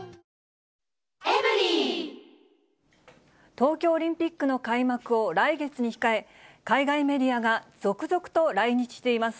東京オリンピックの開幕を来月に控え、海外メディアが続々と来日しています。